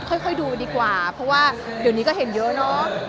ค่อยดูดีกว่าเพราะว่าเดี๋ยวนี้ก็เห็นเยอะเนอะ